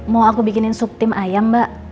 mau aku bikinin sup tim ayam mbak